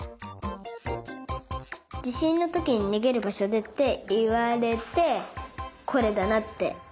じしんのときににげるばしょでっていわれてこれだなって。